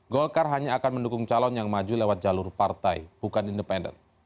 golkar hanya akan mendukung calon yang maju lewat jalur partai bukan independen